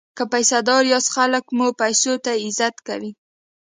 که پیسه داره یاست خلک مو پیسو ته عزت کوي.